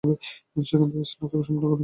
সেখান থেকেই স্নাতক সম্পন্ন করেন তিনি।